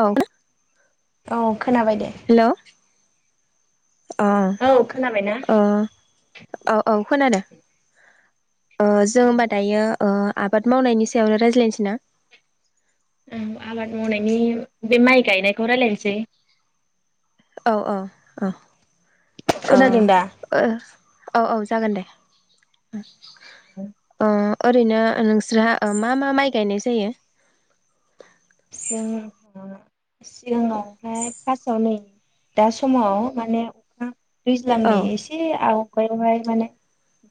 औ औ खोनाबाय दे। हेलौ अ औ खोनाबायना अ अ औ खोनादो ओ जों होमबा दायो ओ आबाद मावनायनि सायावनो रायज्लायनोसै ना? उम आबाद मावनायनि बे माइ गायनायखौ रायलायनोसै अ अ अ ओ खोनादों दा? ओ औ औ जागोन दे उ [unintelligible] ओरैनो नोंस्रा ओ मा मा माइ गायनाय जायो? जों [unintelligible] सिगाङाव दा समाव माने अखा औ दैज्लाांनि एसे आव [unintelligible] माने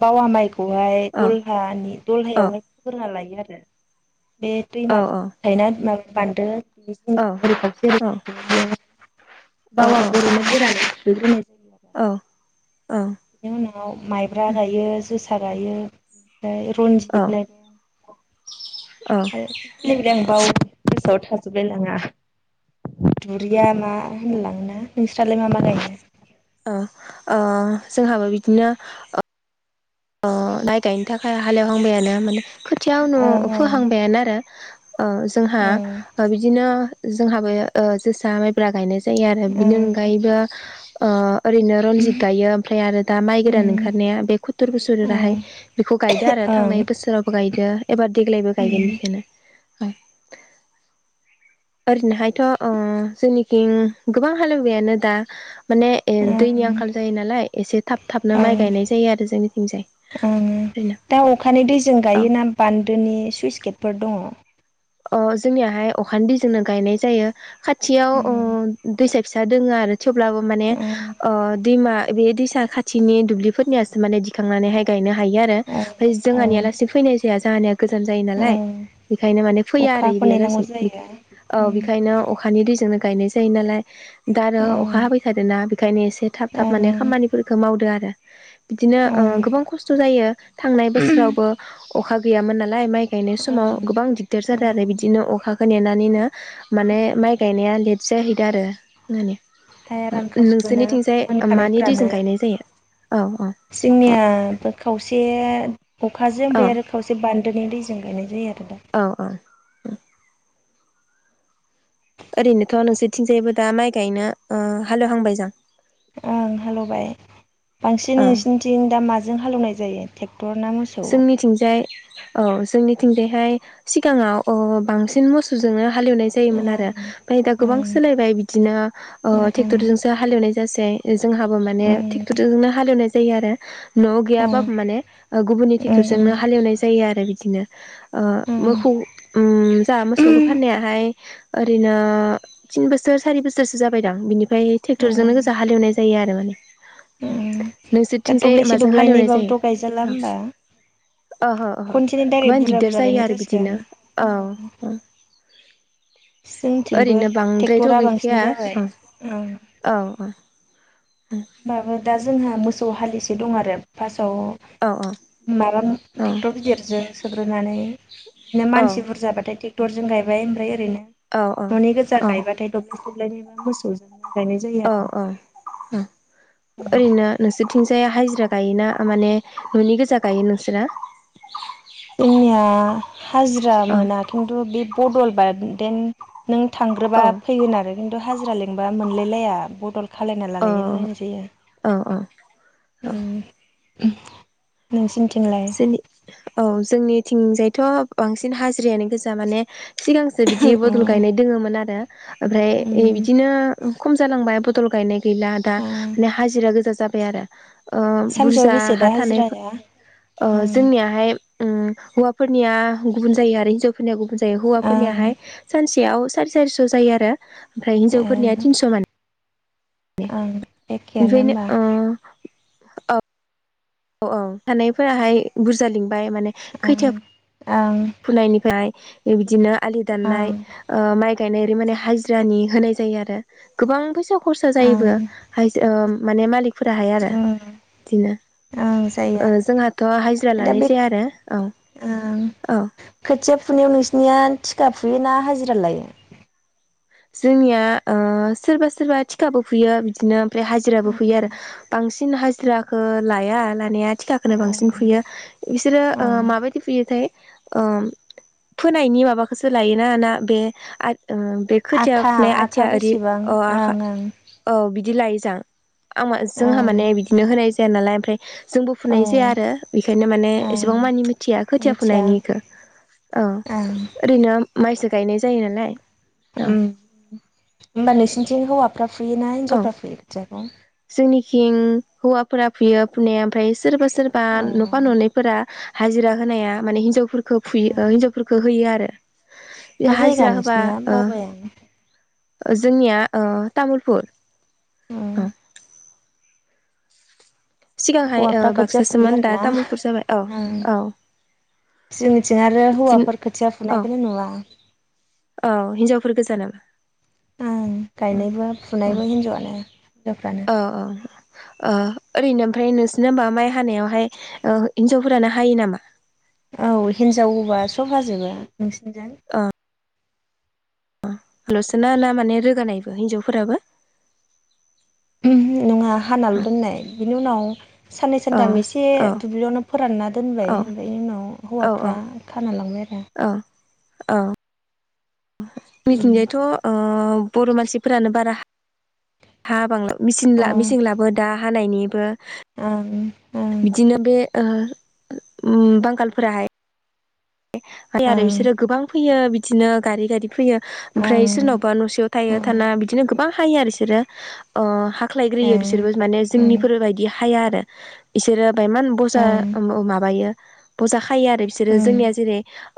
बावा माइ बहाय औ दलहानि औ दलहायावहाय फो [unintelligible] लायो आरो [inaudible] बे दैमा औ औ थायना माब बान्दो [unintelligible] औ औ ओ बावाखो ओरैनो गोरानै [unintelligible] [unintelligible] बे न'आव माइब्रा गायो जोसा। सा गायो। ओमफ्राय रनजित [unintelligible] गोसोआव थाजोब। लाङा दुरिया मा होनलाङो ना। अ ओ जोंहाबो बिदिनो। ओ माइ गायनो थाखाय हालेवहांबायानो माने। खोथियाव नु ओं फोहांबायानो आरो ओ जोंहा ओं बिदिनो। जोंहाबो ओ जोसा माइब्रा गायनाय। जायो आरो ओं बिनि ओं अनगायैबो। ओ। ओरैनो रनजित गायो ओमफ्राय आरो दा माइ गोरान उम ओंखारनाया बे खुथुर बोसोर ओं राहा। फाय बेखौ गायदो आरो ओं थांनाय उम बोसोरावबो गायदो एबार देग्लायबो गायगोन बेखौनो। ओरैनोहायथ' ओ जोंनिखिं गोबां हालेवनायानो दा। माने ए दैनि आंखाल ओं जायो नालाय एसे थाब थाबनो माइ ओं गायनाय जायो आरो जोंनिथिंजाय। ओं ओरैनो दा अखानि दैजों औ गायोना बान्दोनि सुइस गेट। फोर दङ। अ जोंनियाहाय अखानि दैजोंनो गायनाय जायो खा थियाव ओ ओं दुइसाय। फिसा दोङो आरो। थेवब्लाबो माने ओं ओ दैमा बे दैसा खाथिनि दुब्लिफोरनियासो माने दिखांनानैहाय गायनो। हायो आरो ओं ओं जोंहानिलासि फैनाय जाया जोंहानिया गोजान जायो नालाय ओं बेखायनो माने। फैया आरो अखाखौ इदिया नेनांगौ लासै जायो ओ ओं बेखायनो अखानि दै जोंनो गायनाय जायो नालाय दा आरो अखा ओं हाबाय थादोंना बेखायनो एसे थाब थाब माने ओं खामानिफोरखौ मावदो आरो बिदिनो ओ ओं गोबां खस्थ' जायो। थांनाय बोसोरावबो। अखा गैयामोन नालाय माइ गायनाय समाव ओं गोबां । दार जादों आरो ओं बिदिनो अखाखौ नेनानैनो माने माइ गायनाया लेट जाहैदों आरो माने। हाया रानखावजोबोना नोंसोरनिथिंजाय मानि मोनखानायफोरानो दैजों गायनाय जायो? औ औ जोंनियाबो खावसे। से अखाजों औ ओमफ्राय आरो खावसे बान्दोनि दैजों गायनाय जायो आरो दा औ औ ओ ओरैनोथ' नोंसोरथिंजायबो दा माइ गायनो ओ हालेवहांबाय जां ओं हालेबाय बांसिन औ नोंसिनिथिं दा माजों हालेवनाय जायो टेक जोंनिथिंजाय औ जोंनिथिंजायहाय सिगाङाव अ बांसिन मोसौजोंनो हालेवनाय जायोमोन ओं आरो ओमफ्राय दा गोबां ओं सोलायबाय बिदिनो ओ ओं ट्रेक्टरजोंसो हालेवनाय जासै जोंहाबो माने ट्रेक्टरजोंनो हालेवनाय जायो आरो नवाव ओं गैयाबाबो माने ओ गुबुननि ओं ट्रेक्टरजोंनो हालेवनाय जायो आरो बि दिनो ओ ओं मोखौ उम जाहा मोसौखौ फाननायाहाय ओरैनो थिन बोसोर सारि बोसोरसो जाबायदां बिनिफ्राय ट्रेक्टरजोंनो गोजा हालेवनाय जायो आरो माने दा नोंसोरथिंजाय दब्लायसे माजों हालेवनाय दब्लायैबाबोथ गायजाला जायो होमबा ओहो ओहो खनसेनो डाइरेक्ट गोबां बुरजा दिग्दार बुरजा जायो गायनाय आरो जासिगोन बिदिनो औ उम जोंथिंबो ट्रेक्टरा गैखाया बांसिन जाबाय ओं औ होमबाबो दा जोंहा मोसौ औ हालिसे दं आरो फास औ औ माबा औ ट्रेक्टर गिदिरजों सोग्रोनानै नो मानसि बुरजाबाथाय टेक टरजों गायबाय ओमफ्राय ओरैनो ननि गोजा गायबाथाय दब्लासे सब्लायनैबा मोसौ उजोंनो औ औ ओरैनो नोंसोरथिंजाया हाजिरा गायोना माने ननि गोजा गायो नोंसोरना जोंनिया हाजिरा औ मोना खिन्थु बे बदल बा देन नों थांग्रोबा औ फैगोन आरो खिन्थु हाजिरा लें बा मोनलायलाया बदल खालायना औ लालायलायनाय जायो औ औ ओम उह नोंसिनि जोंनि औ। जोंनिथिंजायथ' बांसिन हाजिरायानो गोजा माने सिगांसो अ बिदि बदल उम गायनाय दोङोमोन आरो। ओमफ्राय ओ उम बिदिनो खम जालांबाय बदल गायनाय गैला दा माने हाजिरा गोजा जा बाय आरो ओ सानसेआव बुरजा बेसे हा दा थानाय हाजिराया? ओ ओं जोंनियाहाय उम हौवाफोरनिया गुबुन जायो आरो हिन्जावफोरनिया गुबुन जायो ओं हौवाफोरनियाहाय सानसेयाव सारि सारिस' जायो आरो। ओमफ्राय ए हिन्जावफोरनिया थिनस' माने ओं एखेयानो होमबा। औ। औ औ थानायफोराहाय बुरजा लिं फाय माने ओं खैथायाव ओं फुनायनिफ्राय [unintelligible] बिदिनो आलि दाननाय ओं ओ माइ गायनाय ओरै माने हाजिरानि होनाय जायो आरो गोबां फैसा कर्सा जायोबो ओं हाइजो ओम माने मालिग फोराहाय आरो ओं बिदिनो ओं जायो ओ जोंहाथ' हाजिरा दा लानाय बे जाया आरो औ। ओं औ खोथिया फुनायाव नोंसिनिया थिखा फुयो ना हाजिरा लायो? जोंनिया ओ सोरबा सोरबा थिखाबो फुयो बिदिनो। फ्राय हाजिराबो फुयो आरो बांसिन हाजि थिखाखो लाया लानाया थिखाखोनो बांसिन अ फुयो बिसोरो ओ माबायदि फुयोथाय? ओम फोनायनि माबाखोसो लायोना ना बे आ ओम खोथिया आखा फुनाया आखा आथिया ओरि बेसेबां अ आखा ओं औ बि दिलाइ जां आंमा ओं जोंहा ओं माने बिदिनो होनाय स जाया नालाय ओमफ्राय जोंबो औ फुनाय जाया आरो बेखायनो माने ओं एसेबां मानि मिथिया खोथिया मिथिया फुनायनिखो ओं ओरैनोम माइसो गायनाय जायो नालाय। औ उम होमबा नोंसोरनिथिं हौवा गा फुयोना हिनजावफ्रा फुयो जाखं थिं हौवाफोरा फैयो फुनाया ओमफ्राय स सोरबा सोरबा अ न'फा उम ननैफोरा हाजिरा होनाया माने हिनजावफोर खो फुयो ओ हिन्जावफोरखो होयो आरो बे मा जायगा हाजिरा होबा नोंसिनिया? बावबायानो ओ जोंनिया ओ तामुलपुर। उम ओ ओ हौवाफ्रा खोथिया फुयो बाक्सासोमोन दा आरो ना तामुलपुर जाबाय औ उम औ जोंनिथिं आरो बिदिनो हौवाफोर खोथिया औ फुनायखोनो नुवा। औ हिनजावफोर गोजा नामा? ओं गायनायबो औ फुनायबो हिनजावानो हिन्जावफ्रानो। औ ओ ओरैनो ओमफाय नोंसोरना होमबा माइ हानायावहाय ओ हिनजावफोरानो हायो नामा? औ हिनजावबा सब हाजोबो। नोंसिनजों अ लोसोना ना माने रोगानाय बो हिनजावफोराबो उमहो नङा हानाल' दोननाय बिनि उनाव साननै औ सानथाम एसे दुब्लियावनो फोरानना दोनबाय औ ओमफ्राय इनि उनाव हौवाफ्रा खाना लांबाय आरो अ औ नैथिंजायथ' ओ ओ बर' मानसिफोरानो बारा हा बांला मेसिन अ ला ओं मेसिं लाबो दा हानायनिबो ओं ओं बिदिनो बे ओ उम बांगालफोराहाय [unintelligible] ओं आरोबिसोरो गोबां फैयो बि दिनो गारि गारि फैयो। ओमफ्राय सोरनावबा न'सेयाव थायो औ थाना बिदिनो गो बां हायो आरो बिसोरो ओ ए हाख्लायग्रोयो बिसोरबो माने ओं जोंनिफोरबायदि हाया आरो इसोरो ओमफाय मान बजा ओं ओ ओ माबायो बजा हायो आरो बिसोरो जोंनिया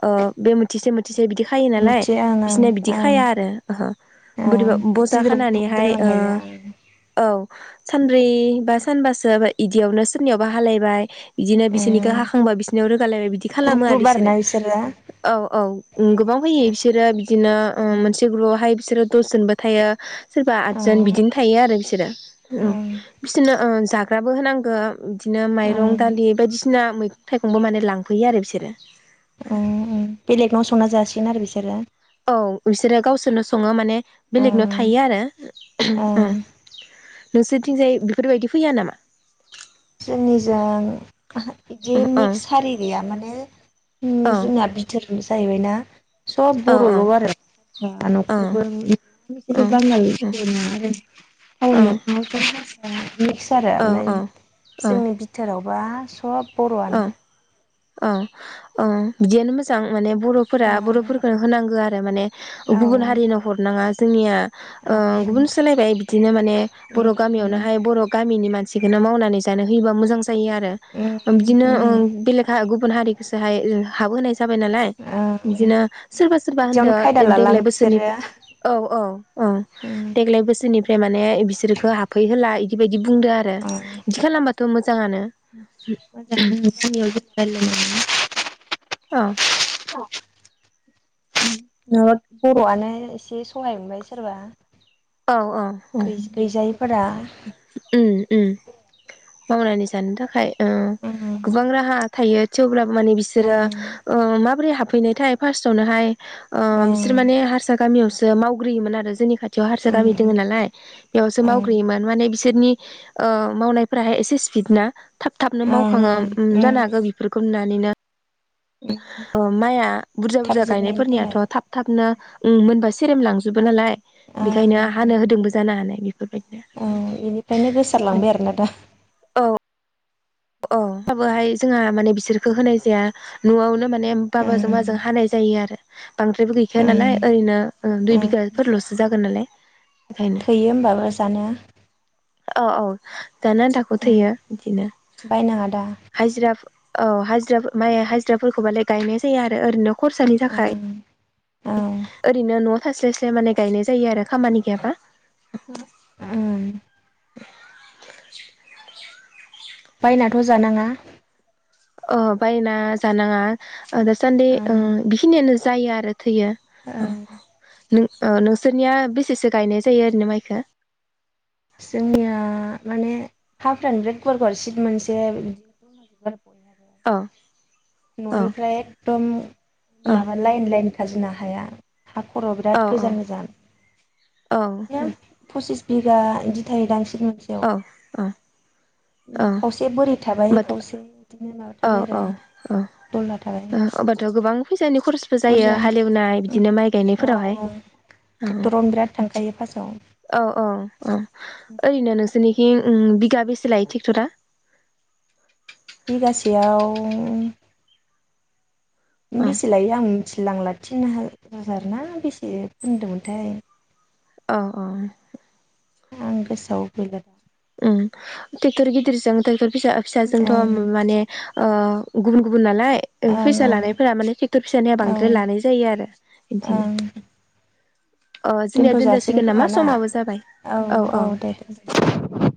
ओ बे मोनथिसे मोन थिसे बिदि खायो नालाय मिथियो आं बिसिना आं बिदि खाया आं आरो ओहो बोरैबा आं बजा गिदिर खानानैहाय ओ दोनलांखायो आं औ सानब्रै बा सानबासो इदियावनो सोरनियावबा हालायबाय इदिनो ओ बिसोरनिखौ हाखांबा बिसोरनियाव रोगालायबाय बिदि ग्रुप खालामो आरो ग्रुप इसोरो आरोना बिसोरो औ औ ओम गोबां फैयो इसोरो बिदिनो ओ मोनसे ग्रुप बहाय बिसोरो दसजनबो थायो। सोरबा आदजन ओं ओं बिदिनो थायो आरो बिसोरो ओ बिसोरनो ओ जाग ग्राबो होनांगौ इदिनो माइरं ओं दालि बायदिसिना मैगं थाइगंबो माने लांफैयो आरो बिसोरो अ ओम बेलेगनाव संना जासिगोन आरो बिसोरो औ बिसोरो गावसोरनो सङो माने बेलेगनाव ओं थायो आरो ओं ओ नोंसोरथिंजाय बेफोरबायदि फैया नामा? जोंनिजों ओहो बिदि औ औ मिक्स सारि गैया माने औ जोंना बिथोर जाहैबायना सब औ बर'ल' आरो होम औ औ न'खरबो औ [unintelligible] बांगालिफोर ना आरो टाउन मोखाङावथ' हारसा मिक्स आरो औ ओमफ्राय औ औ जोंनि बिथोराव दावबा सब बर'आनो ओं ओं बिदियानो मोजां माने बर'फोरा ओं बर'फोरखौनो होनांगौ आरो माने औ गुबुन हारिनो हरनाङा जोंनिया ओ ओं गुबुन सोलायबाय बिदिनो माने उम बर' उम गामियावनोहाय बर' गामिनि मानसि सिखौनो मावनानै जानो होयोबा मोजां जायो आरो उम बिदिनो ओ उम ओं बेलेखा गुबुन हारिखौसो हाय हाबो होनाय जा जाबाय नालाय बिदिनो सोरबा सोरबा बिदियावनो होनदो खायदा देग्लाय लालाङो बोसोरनि बिसोरो औ औ औ उम देग्लाय बोसोरनिफ्राय ओमफ्राय माने बिसोरखौ हाबफैहोला इदिबायदि बिदि बुंदो आरो अ बिदि खालामबाथ' मोजाङानो [unintelligible] अ ओ बर'आनो एसे सहाय मोनबाय सोरबा औ औ गैजा गैजायिफोरा उम उम मावनानै जानो थाखाय उम गोबां राहा थायो थेवब्लाबो माने बिसोरो उम ओ मा माबोरै हाबफैनायथाय फार्स्टआवनोहाय ओ उम बिसोर माने हारसा गामियावसो मावग्रोयोमोन आरो जोंनि खाथि याव हारसा उम गामि उम दोङो नालाय बेयावसो ओं मावग्रोयोमोन माने बिसोरनि ओ मावनाय फ्राहाय एसे स्पिड ना थाब थाबनो मावखाङो ओं उम जानो हागौ बेफोरखौनो नुना उम नैनो माइआ बुरजा थाब बुरजा जोबनायनि गायनायफोरनियाथ' थाखाय थाब थाबनो उम मोनबा सेरेम लांजोबो नालाय। बेखायनो ओं हानो होदोंबो जानो हानाय बेफोरबायदिनो ओं औ बेनिफ्रायनो गोसारलांबाय आरोना दा औ औ हाबोहाय जोंहा माने बिसोरखौ होनाय जाया न'आवनो माने बाबाजों ओं माजों हानाय जायो आरो बांद्रायबो गैखाया नालाय ओं ओरैनो दुइ बिगाफोरल'सो जागोन नालाय बेखायनो थैयो होमबाबो जानो। अ औ जानो आन्थाखौ थोयो इदिनो। बायनाङादा। औ हाजिरा माइया हाजिराफोरखौबालाय गायनाय जायो ओरैनो खरसानि थाखाय ओं औ ओरैनो न' थास्लाय स्लाय माने गायनाय जायो आरो खामानि गैयाबा। ओं बायनाथ' जानाङा अ बायना जानाङा ओ दासान्दि ओ ओं बेखिनियानो जायो आरो थोयो। औ नों ओ नोंसोरनिया बेसेसो गायनाय जायो ओरैनो माइखो? जोंनिया माने हा फ्रानो माने बिराद गुवार गुवार सिथ मोनसे बयहाबो। औ औ न'निफ्राय एकदम औ माबा लाइन लाइन खाजोंना हाया। हाखर'आव बिराद औ औ गोजान गोजान औ बिदिनो फसिस बिघा इदि थायो दां सिथ मोनसेयाव औ औ खावसे बोरि थाबाय खावसे इदिनो माबा थाबाय आरो। अ दलहा थाबाय ओ अब्लाथ' गोबां फैसानि खरसबो जायो बुरजा हालेवनाय बिदिनो माइ औ गायनायफोरावहाय औ ओ ट्रेक्टरावनो बिराद थांखायो फार्स्टआव औ। औ औ ओं ओरैनो नोंस नोंसिनिखिंं उम बिघा बेसे लायो टेक्टरा? बिगासेयाव औ बेसे लायो आं तिलांला तिन हाजार ना बेसे होनदोंमोनथाय। औ औ आं गोसोआव गैला। उम टेक्टर गिदिर जों टेक्टर फिसा फिसाजोंथ' ओं माने ओ गुबुन गुबु गुबुन नालाय फैसा ओं लानायफोरा माने ट्रेक्टर फिसानिया ओं औ बांद्राय लानाय जायो आरो इदिनो। ओं अ जोंनिया दोनथ' जासिगोन दोनजासिगोन नामा खोमा ना समाबो जाबाय औ औ दे।